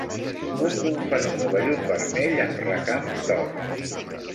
Un gonfanó de vellut vermell amb recams d'or.